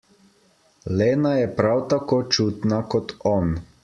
Lena je prav tako čutna kot on.